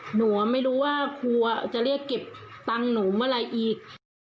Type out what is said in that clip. หนูอ่ะไม่รู้ว่าครูอ่ะจะเรียกเก็บตังหนูเมื่อไรอีก